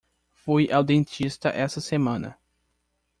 Fui ao dentista essa semana